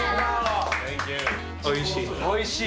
おいしい。